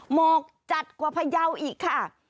หมอกจัดกว่าพยาวอีกค่ะ